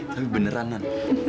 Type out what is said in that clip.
tapi beneran nan